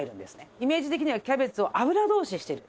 イメージ的にはキャベツを油通ししている。